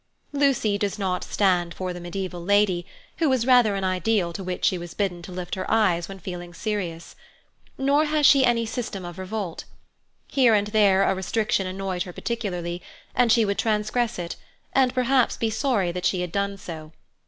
Lucy does not stand for the medieval lady, who was rather an ideal to which she was bidden to lift her eyes when feeling serious. Nor has she any system of revolt. Here and there a restriction annoyed her particularly, and she would transgress it, and perhaps be sorry that she had done so.